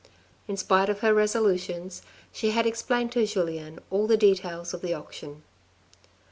In spite of her resolutions, she had explained to Julien all the details of the auction.